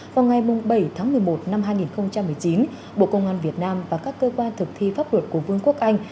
vào ngày bảy tháng một mươi một năm hai nghìn một mươi chín bộ công an việt nam và các cơ quan thực thi pháp luật của vương quốc anh